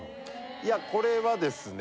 いやこれはですね。